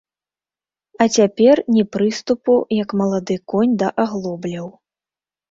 А цяпер ні прыступу, як малады конь да аглобляў.